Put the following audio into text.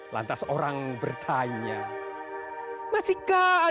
lantas orang berpikir bahwa kalau politik itu penuh keagungan politik itu penuh kemuliaan